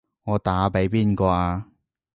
我打畀邊個啊？